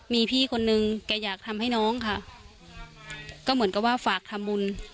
มีพี่คนนึงแกอยากทำให้น้องค่ะก็เหมือนกับว่าฝากทำบุญ